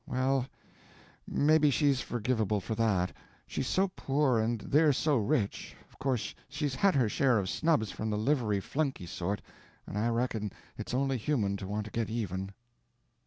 Well, maybe she's forgivable for that. She's so poor and they're so rich, of course she's had her share of snubs from the livery flunkey sort, and I reckon it's only human to want to get even."